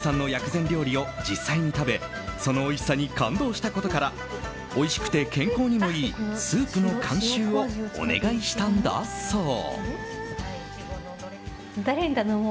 金井さんの薬膳料理を実際に食べそのおいしさに感動したことからおいしくて健康にもいいスープの監修をお願いしたんだそう。